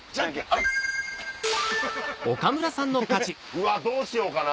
うわどうしようかな？